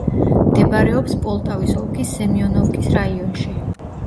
მდებარეობს პოლტავის ოლქის სემიონოვკის რაიონში.